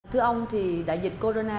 thưa ông đại dịch corona